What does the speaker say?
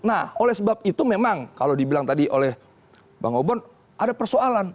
nah oleh sebab itu memang kalau dibilang tadi oleh bang obon ada persoalan